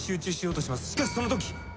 しかしそのとき！